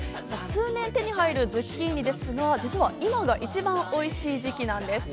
通年、手に入るズッキーニですが、実は今が一番おいしい時期なんです。